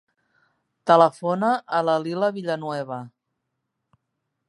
Telefona a la Lila Villanueva.